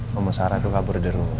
mama sarah itu kabur di rumah